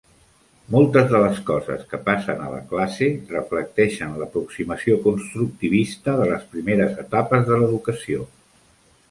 Moltes de les coses que passen a la classe reflecteixen l'aproximació constructivista de les primeres etapes de l'educació.